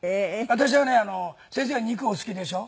私はね先生は肉お好きでしょ？